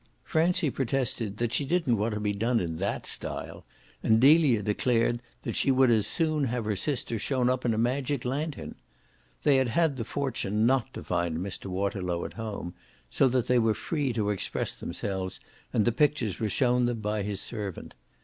Francie protested that she didn't want to be done in THAT style, and Delia declared that she would as soon have her sister shown up in a magic lantern. They had had the fortune not to find Mr. Waterlow at home, so that they were free to express themselves and the pictures were shown them by his servant.